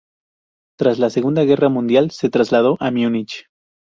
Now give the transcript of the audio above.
Tras la segunda guerra mundial se trasladó a Múnich.